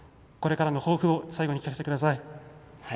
これからの抱負を最後に聞かせてください。